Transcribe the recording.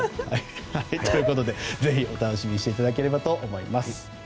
ぜひお楽しみにしていただければと思います。